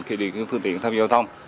khi đi đến phương tiện tham gia giao thông